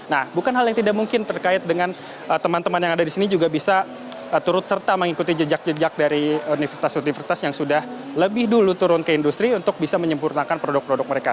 nah bukan hal yang tidak mungkin terkait dengan teman teman yang ada di sini juga bisa turut serta mengikuti jejak jejak dari universitas universitas yang sudah lebih dulu turun ke industri untuk bisa menyempurnakan produk produk mereka